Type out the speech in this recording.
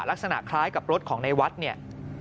ลักษณะคล้ายกับรถของในวัดเนี่ย